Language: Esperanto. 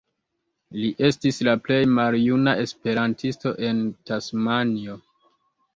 Li estis la plej maljuna esperantisto en Tasmanio.